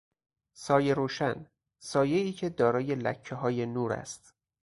سایه روشن، سایهای که دارای لکههای نور است